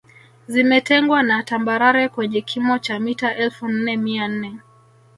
Zimetengwa na tambarare kwenye kimo cha mita elfu nne mia nne